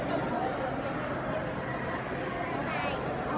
ของเรานะคะ